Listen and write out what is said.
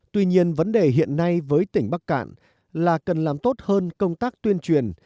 tuy nhiên vấn đề hiện nay với tỉnh bắc cạn là cần làm tốt hơn công tác tuyên truyền